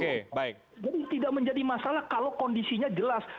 jadi tidak menjadi masalah kalau kondisinya jelas